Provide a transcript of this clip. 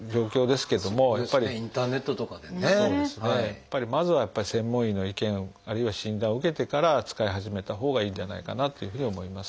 やっぱりまずは専門医の意見あるいは診断を受けてから使い始めたほうがいいんじゃないかなというふうに思います。